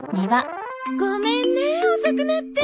ごめんね遅くなって。